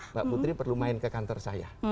mbak putri perlu main ke kantor saya